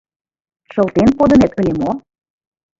— Шылтен кодынет ыле мо?